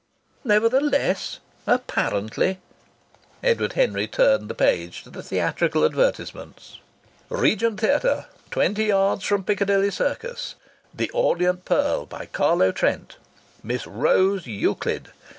"Nevertheless!" ... "Apparently!" Edward Henry turned the page to the theatrical advertisements. "REGENT THEATRE. (Twenty yards from Piccadilly Circus.) 'The Orient Pearl,' by Carlo Trent. Miss ROSE EUCLID.